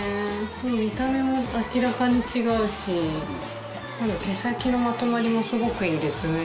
見た目も明らかに違うし毛先のまとまりもすごくいいですね。